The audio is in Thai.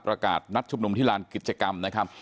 นัดชุมนุมที่ลานกิจกรรมนะครับ